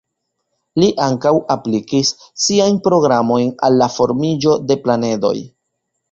Li ankaŭ aplikis siajn programojn al la formiĝo de planedoj.